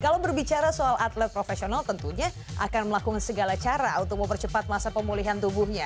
kalau berbicara soal atlet profesional tentunya akan melakukan segala cara untuk mempercepat masa pemulihan tubuhnya